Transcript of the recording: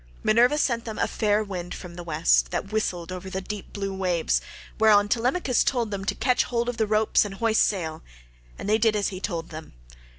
Minerva sent them a fair wind from the West,22 that whistled over the deep blue waves23 whereon Telemachus told them to catch hold of the ropes and hoist sail, and they did as he told them.